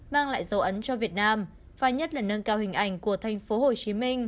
mang lại dấu ấn cho việt nam và nhất là nâng cao hình ảnh của tp hcm